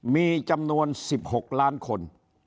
มีจำนวน๑๖ล้านคน